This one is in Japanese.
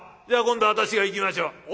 では今度は私がいきましょう。